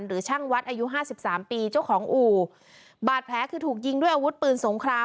หรือช่างวัดอายุห้าสิบสามปีเจ้าของอู่บาดแผลคือถูกยิงด้วยอาวุธปืนสงคราม